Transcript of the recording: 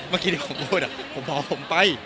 วันต่อเมื่อกี้พูดอ่ะผมขอผมเข้าไป